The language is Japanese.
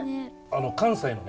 関西のね